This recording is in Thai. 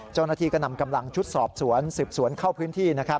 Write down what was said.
เจ้าหน้าที่ก็นำกำลังชุดสอบสวนสืบสวนเข้าพื้นที่